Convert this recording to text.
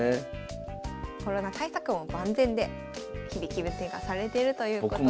コロナ対策も万全で日々気分転換されてるということです。